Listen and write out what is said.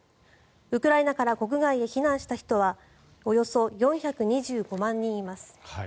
ウクライナから国外へ避難した人はおよそ４２５万人います。